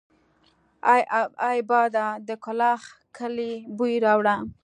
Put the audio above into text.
اې باده د کلاخ کلي بوی راوړه!